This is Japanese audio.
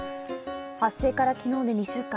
発生から昨日で２週間。